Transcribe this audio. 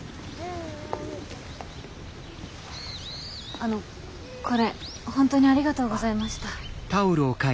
あのこれ本当にありがとうございました。